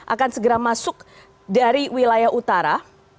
akan segera masuk dari wilayah utara